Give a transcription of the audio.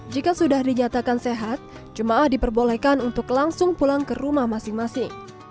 jika sudah dinyatakan sehat jemaah diperbolehkan untuk langsung pulang ke rumah masing masing